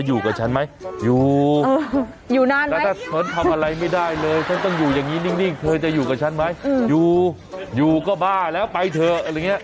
อยู่กับฉันไหมอยู่อยู่นานแล้วถ้าฉันทำอะไรไม่ได้เลยฉันต้องอยู่อย่างนี้นิ่งเธอจะอยู่กับฉันไหมอยู่อยู่ก็บ้าแล้วไปเถอะอะไรอย่างนี้